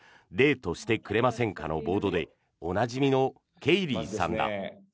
「デートしてくれませんか」のボードでおなじみのケイリーさんだ。